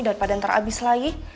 daripada ntar habis lagi